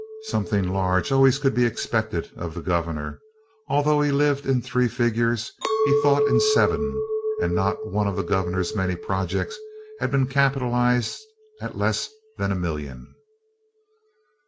Something large always could be expected of the "Gov'nor." Although he lived in three figures, he thought in seven, and not one of the Gov'nor's many projects had been capitalized at less than a million.